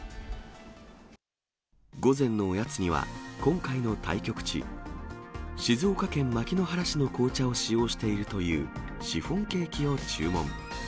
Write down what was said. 午前のおやつには、今回の対局地、静岡県牧之原市の紅茶を使用しているというシフォンケーキを注文。